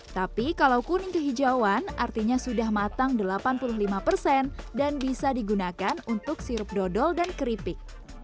tapi kalau kuning kehijauan artinya sudah matang delapan puluh lima persen dan bisa digunakan untuk sirup dodol dan keripik